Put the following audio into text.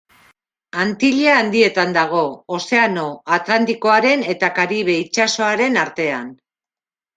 Antilla Handietan dago, Ozeano Atlantikoaren eta Karibe itsasoaren artean.